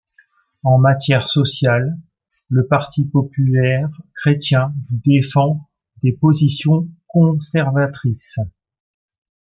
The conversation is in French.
En matière sociale, le parti populaire chrétien défend des positions conservatrices.